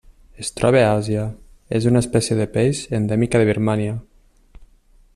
Es troba a Àsia: és una espècie de peix endèmica de Birmània.